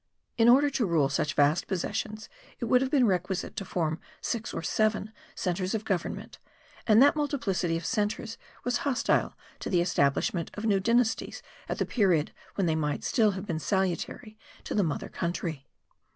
In order to rule such vast possessions it would have been requisite to form six or seven centres of government; and that multiplicity of centres was hostile to the establishment of new dynasties at the period when they might still have been salutary to the mother country.